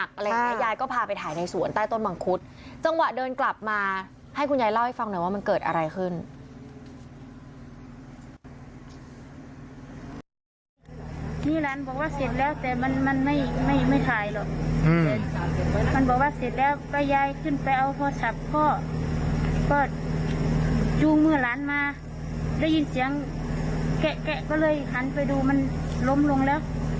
มันบอกว่าเสร็จแล้วก็ยายขึ้นไปเอาโทรศัพท์เพราะก็ดูเมื่อร้านมาได้ยินเสียงแกะแกะก็เลยหันไปดูมันล้มลงแล้ว